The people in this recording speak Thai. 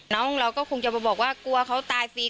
น้องเราก็คงจะมาบอกว่ากลัวเขาตายฟรี